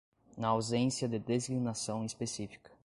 na ausência de designação específica.